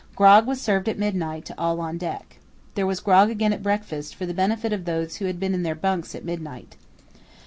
Grog was served at midnight to all on deck. There was grog again at breakfast, for the benefit of those who had been in their bunks at midnight.